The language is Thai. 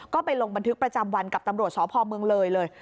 ก็ไปลงบันทึกประจำวันกับตำรวจสพเมืองเลยเลย